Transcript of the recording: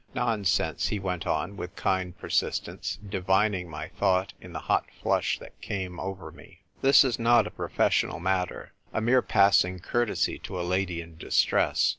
" Nonsense," he went on with kind per sistence, divining my thought in the hot flush that came over me. " This is not a profes sional matter. A mere passing courtesy to a lady in distress.